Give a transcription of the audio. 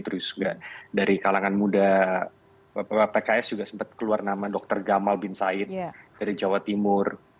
terus juga dari kalangan muda pks juga sempat keluar nama dr gamal bin said dari jawa timur